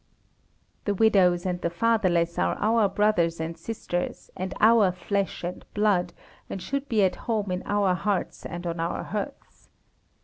The widows and the fatherless are our brothers and sisters and our flesh and blood, and should be at home in our hearts and on our hearths.